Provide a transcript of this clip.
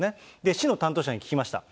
市の担当者に聞きました。